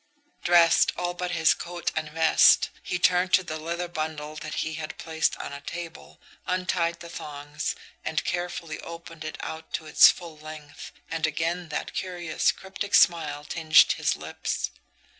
Dressed, all but his coat and vest, he turned to the leather bundle that he had placed on a table, untied the thongs, and carefully opened it out to its full length and again that curious, cryptic smile tinged his lips.